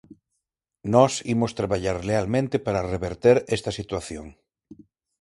Nós imos traballar lealmente para reverter esta situación.